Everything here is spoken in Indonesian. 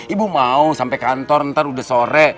ibu mau sampai kantor ntar udah sore